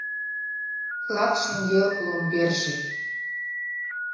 Клат шеҥгел ломберже